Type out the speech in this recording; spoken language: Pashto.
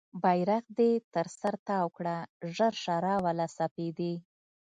بیرغ دې تر سر تاو کړه ژر شه راوله سپیدې